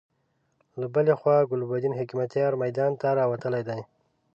له بلې خوا ګلبدين حکمتیار میدان ته راوتلی دی.